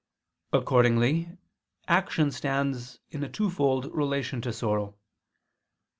Accordingly action stands in a twofold relation to sorrow.